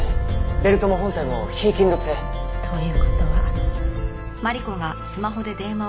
ベルトも本体も非金属製。という事は。